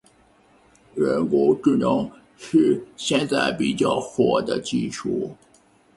人工智能是现在比较火的技术。